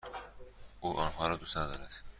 او آنها را دوست ندارد.